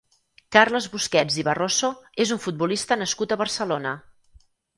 Carles Busquets i Barroso és un futbolista nascut a Barcelona.